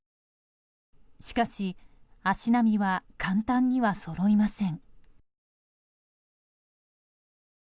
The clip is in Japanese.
しかし、足並みは簡単にはそろいません。